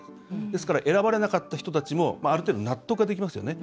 ですから選ばれなかった人たちもある程度、納得ができますよね。